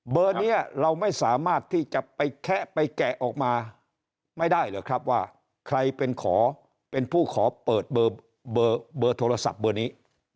นี้เราไม่สามารถที่จะไปแคะไปแกะออกมาไม่ได้หรือครับว่าใครเป็นขอเป็นผู้ขอเปิดเบอร์โทรศัพท์เบอร์นี้